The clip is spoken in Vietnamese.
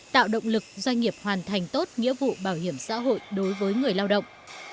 tạo động lực doanh nghiệp hoàn thành tốt nghĩa vụ bảo hiểm xã hội đối với người lao động